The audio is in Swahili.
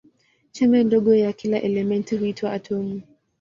Chembe ndogo ya kila elementi huitwa atomu.